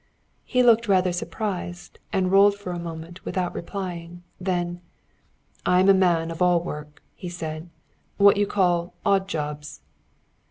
He looked rather surprised, and rolled for a moment without replying. Then: "I am a man of all work," he said. "What you call odd jobs."